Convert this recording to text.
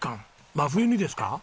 真冬にですか？